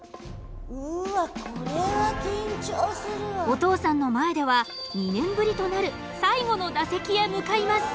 お父さんの前では２年ぶりとなる最後の打席へ向かいます。